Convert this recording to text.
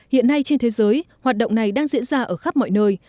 hiện nay trên thế giới hoạt động này đang diễn ra ở khắp mọi nơi